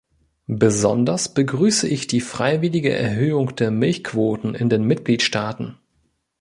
Besonders begrüße ich die freiwillige Erhöhung der Milchquoten in den Mitgliedstaaten.